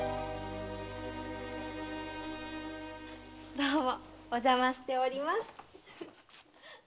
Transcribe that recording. どうもお邪魔しております。